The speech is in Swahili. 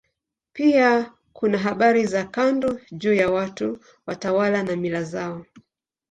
Pia kuna habari za kando juu ya watu, watawala na mila zao.